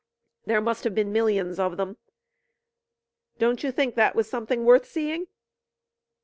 There must have been millions of them. Don't you think that was something worth seeing?"